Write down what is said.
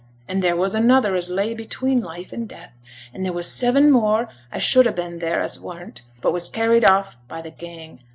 An' there was another as lay between life an' death, and there was seven more as should ha' been theere as wasn't, but was carried off by t' gang.